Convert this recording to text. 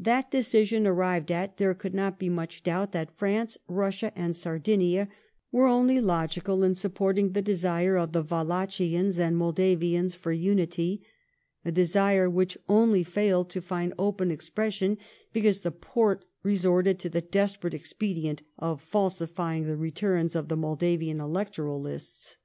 That decision arrived at, there could not be much doubt that France, Bussia, and Sardinia were only logical in supporting the desire of the Wallachians and Moldavians for unity, a desire which only failed to find open expression because the Porte resorted to the desperate expedient of falsifying the returns of the Moldavian electoral lists.